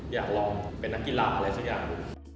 อยากลองเป็นนักกีฬาอะไรสักอย่าง